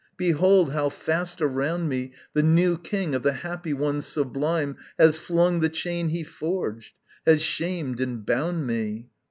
Behold, how fast around me, The new King of the happy ones sublime Has flung the chain he forged, has shamed and bound me!